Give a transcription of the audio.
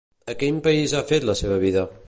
A quin país ha fet la seva vida?